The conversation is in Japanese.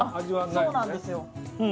そうなんですよ